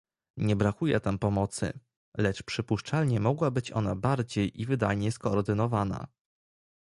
Nie brakuje tam pomocy, lecz przypuszczalnie mogłaby być ona bardziej i wydajniej skoordynowana